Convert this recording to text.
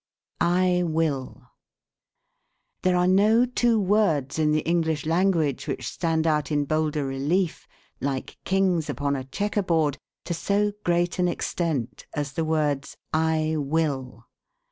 "I WILL." "There are no two words in the English language which stand out in bolder relief, like kings upon a checker board, to so great an extent as the words 'I will.'